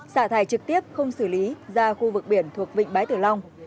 xả thải trực tiếp không xử lý ra khu vực biển thuộc vịnh bái tử long